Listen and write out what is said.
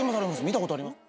見たことあります